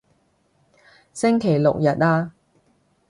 星期六日啊